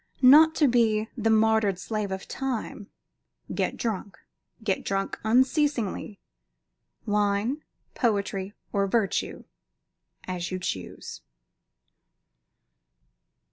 Not to be the martyred slave of Time, get drunk; get drunk unceasingly. Wine, poetry, or virtue, as you choose.